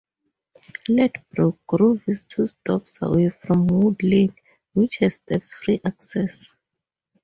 Ladbroke Grove is two stops away from Wood Lane which has step-free access.